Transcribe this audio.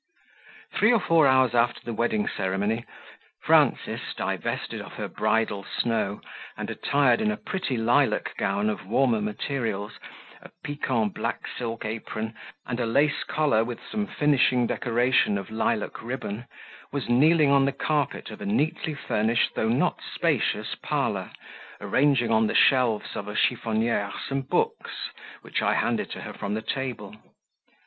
Three or four hours after the wedding ceremony, Frances, divested of her bridal snow, and attired in a pretty lilac gown of warmer materials, a piquant black silk apron, and a lace collar with some finishing decoration of lilac ribbon, was kneeling on the carpet of a neatly furnished though not spacious parlour, arranging on the shelves of a chiffoniere some books, which I handed to her from the table.